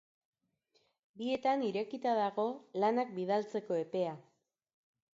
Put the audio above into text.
Bietan irekita dago lanak bidaltzeko epea.